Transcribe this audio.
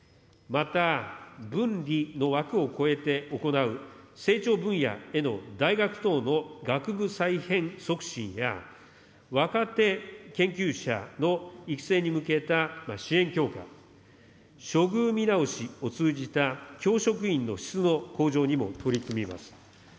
また、文理の枠を超えて行う成長分野への大学等の学部再編促進や、若手研究者の育成に向けた支援強化、処遇見直しを通じた教職員の質の向上にも取り組みます。